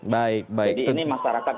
baik jadi ini masyarakat